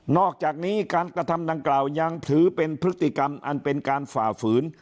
อกจากนี้การกระทำดังกล่าวยังถือเป็นพฤติกรรมอันเป็นการฝ่าฝืน